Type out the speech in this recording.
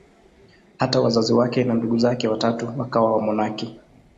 Hata wazazi wake na ndugu zake watatu wakawa wamonaki.